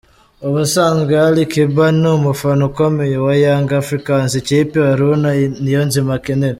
Ubusanzwe Ali Kiba ni umufana ukomeye wa Young Africans, ikipe Haruna Niyonzima akinira.